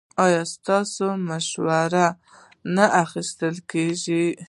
ایا ستاسو مشوره نه اخیستل کیږي؟